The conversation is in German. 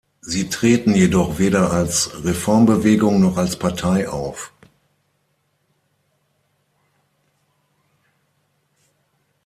Sie treten jedoch weder als Reformbewegung noch als Partei auf.